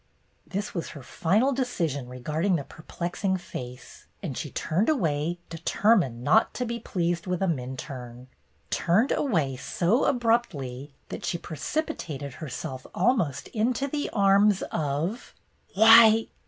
'^ This was her final decision regarding the perplexing face, and she turned away, deter mined not to be pleased with a Minturne; turned away so abruptly that she precipitated herself almost into' the arms of — "Why!